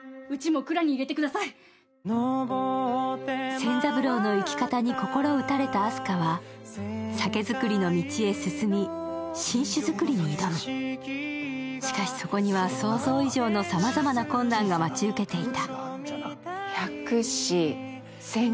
仙三郎の生き方に心を打たれた明日香は酒造りの道へ進み、新酒造りに挑むしかし、そこには想像以上のさまざまな困難が待ち受けていた。